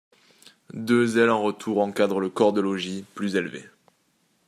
Deux ailes en retour encadrent le corps de logis, plus élevé.